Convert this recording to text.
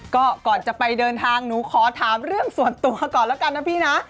ก็ก่อนจะไปเดินทางหนูขอถามเรื่องส่วนตัวก่อนแล้วกันนะพี่นะ